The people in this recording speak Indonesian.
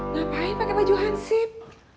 ngapain pake baju hansip